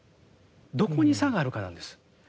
どこに差があるかなんです。